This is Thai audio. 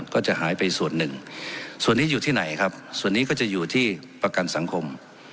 ก็จะหายไปส่วนหนึ่งส่วนนี้อยู่ที่ไหนครับส่วนนี้ก็จะอยู่ที่ประกันสังคม